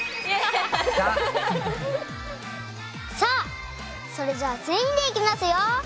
さあそれじゃあ全員でいきますよ。